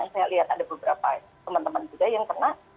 saya lihat ada beberapa teman teman juga yang kena